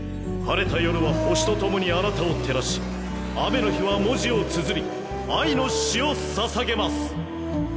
晴れた夜は星と共にあなたを照らし雨の日は文字をつづり愛の詩をささげます」。